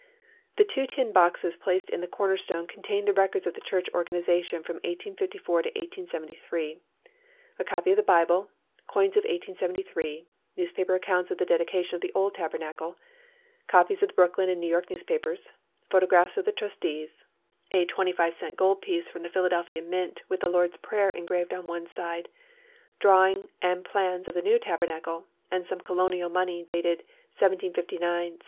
The two tin boxes placed in the corner stone contained the records of the church organisation from 1854 to 1873, a copy of the Bible, coins of 1873, newspaper accounts of the dedication of the old Tabernacle, copies of the Brooklyn and New York newspapers, photographs of the trustees, a 25 cent gold piece from the Philadelphia mint with the Lord's Prayer engraved on one side, drawing and plans of the new Tabernacle, and some Colonial money dated 1759, 1771, 1773, 1774.